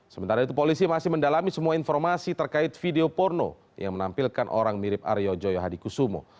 sementara itu polisi masih mendalami semua informasi terkait video porno yang menampilkan orang mirip aryo joyo hadikusumo